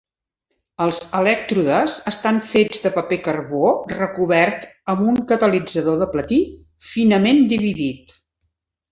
Els elèctrodes estan fets de paper carbó recobert amb un catalitzador de platí finament dividit.